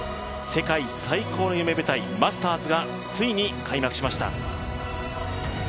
世界最高の夢舞台・マスターズがついに開幕しました。